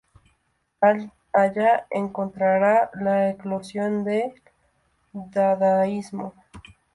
Allá encontrará la eclosión del Dadaísmo.